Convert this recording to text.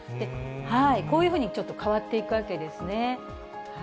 こういうふうにちょっと変わっていくわけですね。